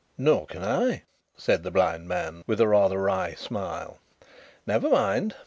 "Nor can I," said the blind man, with a rather wry smile. "Never mind.